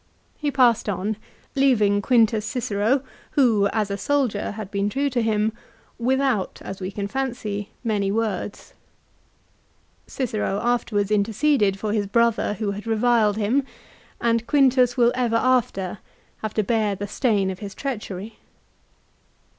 He passed on, leaving Quiutus Cicero, who as a soldier had been true 1 Ad Att. lib. xi. 20, 21, 22. M 2 164 LIFE OF CICERO. to him, without as we can fancy, many words. Cicero after wards interceded for his brother who had reviled him, and Quintus will ever after have to bear the stain of his treachery.